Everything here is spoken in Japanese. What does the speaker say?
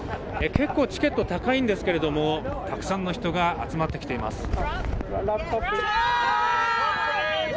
結構チケット高いんですけれどもたくさんの人が集まってきています